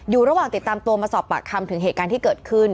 อยู่ระหว่างติดตามตัวมาสอบปากคำถึงเหตุการณ์ที่เกิดขึ้น